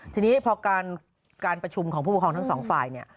ทีนี้พอการประชุมของผู้ปกครองทั้งสองฝ่ายเนี่ย